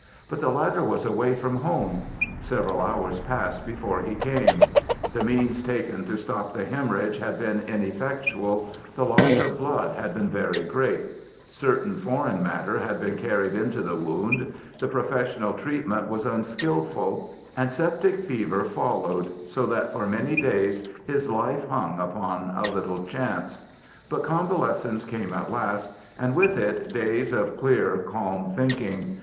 But the latter was away from home; several hours passed before he came; the means taken to stop the hemorrhage had been ineffectual; the loss of blood had been very great; certain foreign matter had been carried into the wound; the professional treatment was unskilful; and septic fever followed, so that for many days his life hung upon a little chance. But convalescence came at last, and with it days of clear, calm thinking.